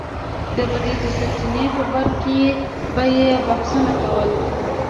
د بدۍ د سرچينې په باره کې به يې بحثونه کول.